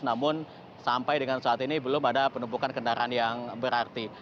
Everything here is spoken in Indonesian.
namun sampai dengan saat ini belum ada penumpukan kendaraan yang berarti